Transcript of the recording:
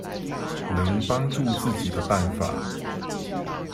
能幫助自己的辦法